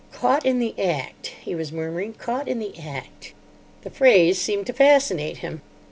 "Caught in the act," he was murmuring. "Caught in the act." The phrase seemed to fascinate him.